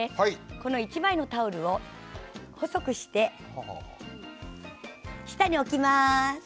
この１枚のタオルを細くして下に置きます。